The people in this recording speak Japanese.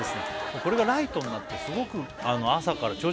これがライトになってすごくあるの？